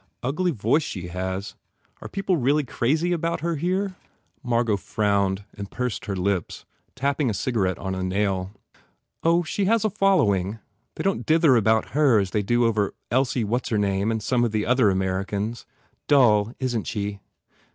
Ugly voice she has. Are people really crazy about her here?" Margot frowned and pursed her lips, tapping a cigarette on a nail. "Oh, she has a following. They don t dither about her as they do over 124 M A R G O T Elsie whatsername and some of the other Ameri cans. Dull, isn t she?"